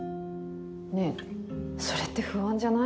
ねえそれって不安じゃない？